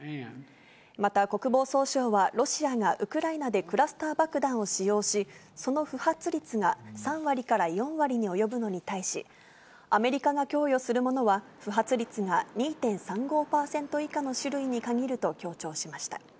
また国防総省は、ロシアがウクライナでクラスター爆弾を使用し、その不発率が３割から４割に及ぶのに対し、アメリカが供与するものは、不発率が２．３５％以下の種類に限ると強調しました。